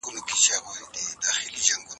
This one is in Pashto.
تعلیم د هر انسان لپاره یو اساسي حق دی.